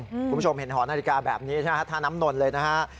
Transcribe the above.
คุณผู้ชมเห็นหอนาฬิกาแบบนี้ใช่ไหมฮะท่าน้ำนนเลยนะฮะ